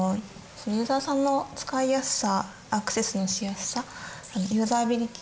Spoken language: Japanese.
そのユーザーさんの使いやすさアクセスのしやすさユーザビリティ